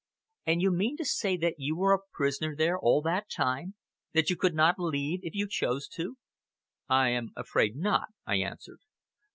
"And you mean to say that you are a prisoner there all that time that you could not leave if you chose to?" "I am afraid not," I answered.